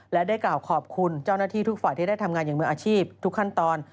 และได้กล่าวขอบคุณเจ้าหน้าที่ทุกฝ่ายที่ได้ทำงานอย่างมืออาชีพทุกขั้นตอน